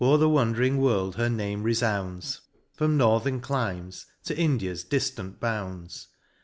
Now o'er the wondering world her name refounds, From Northern climes, to India's diftant bounds.